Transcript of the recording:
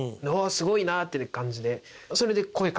すごいなって感じで。